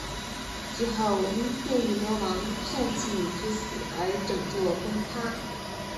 最后因变异魔王膻气之死而整座崩塌了。